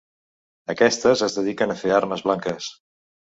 Aquestes es dediquen a fer armes blanques.